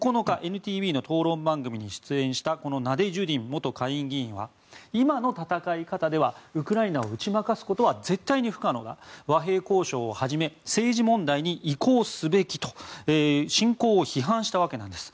９日、ＮＴＶの番組に出演したナデジュディン元下院議員は今の戦い方ではウクライナを打ち負かすことは絶対に不可能だ和平交渉を始め政治問題に移行すべきと侵攻を批判したわけなんです。